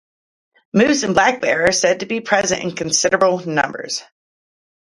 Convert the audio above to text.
Moose and black bear are said to be present in considerable numbers.